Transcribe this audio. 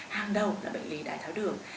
hàng đầu là bệnh lý đai tháo đường